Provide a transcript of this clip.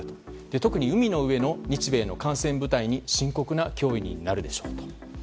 特に海の上の日米の艦船部隊に深刻な脅威になるでしょうと。